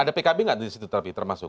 ada pkb nggak di situ tapi termasuk